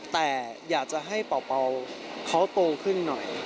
แต่อยากจะให้เป่าเขาโตขึ้นหน่อย